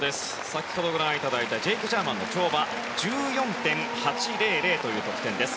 先ほどご覧いただいたジェイク・ジャーマンの跳馬１４．８００という得点です。